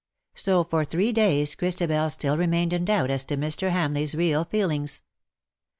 So for three days Christabel still remained in doubt as to Mr. Hamleigh's real feelings.